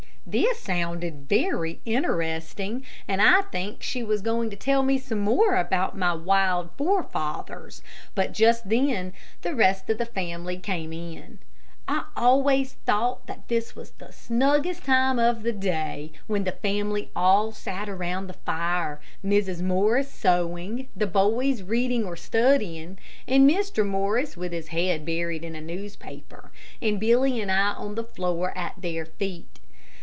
This sounded very interesting, and I think she was going to tell me some more about my wild forefathers, but just then the rest of the family came in. I always thought that this was the snuggest time of the day when the family all sat around the fire Mrs. Morris sewing, the boys reading or studying, and Mr. Morris with his head buried in a newspaper, and Billy and I on the floor at their feet.